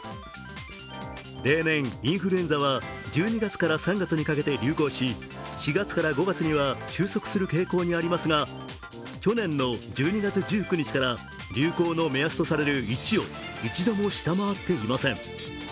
例年、インフルエンザは１２月から３月にかけて流行し４月から５月には収束する傾向にありますが、去年の１２月１９日から流行の目安とされる１を一度も下回っていません。